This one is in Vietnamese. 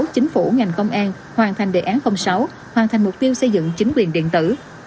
chính phủ ngành công an hoàn thành đề án sáu hoàn thành mục tiêu xây dựng chính quyền điện tử